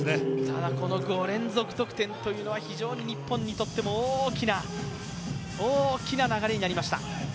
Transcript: ただ、この５連続得点というのは日本にとっても大きな大きな流れになりました。